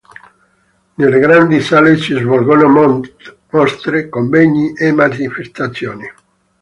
Nelle grandi sale si svolgono mostre, convegni e manifestazioni.